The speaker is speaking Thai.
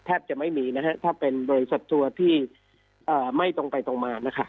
จะไม่มีนะฮะถ้าเป็นบริษัทตัวที่ไม่ตรงไปตรงมานะคะ